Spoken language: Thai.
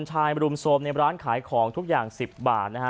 ชายมารุมโทรมในร้านขายของทุกอย่าง๑๐บาทนะฮะ